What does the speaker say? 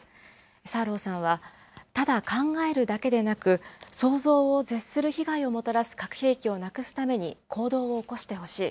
サーローさんはただ考えるだけでなく、想像を絶する被害をもたらす核兵器をなくすために行動を起こしてほしい。